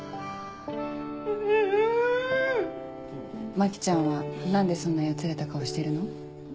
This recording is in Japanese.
牧ちゃんは何でそんなやつれた顔してるの？